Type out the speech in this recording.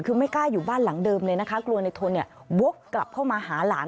คือไม่กล้าอยู่บ้านหลังเดิมเลยนะคะกลัวในทนเนี่ยวกกลับเข้ามาหาหลาน